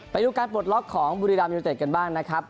ไปดูการปลดล็อกของบุรีรามยูนิเต็ดกันบ้างนะครับ